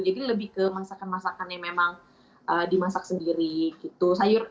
jadi lebih ke masakan masakan yang memang dimasak sendiri gitu